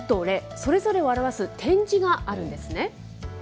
それぞれを表す点字があるんですね。